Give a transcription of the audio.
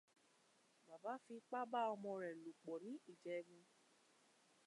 Bàbá fi ipa ba ọmọ rẹ̀ lòpò ní Ìjegun.